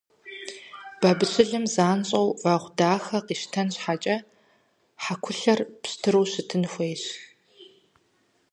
Бабыщылым занщӀэу вэгъу дахэ къищтэн щхьэкӀэ, хьэкулъэр пщтыру щытын хуейщ.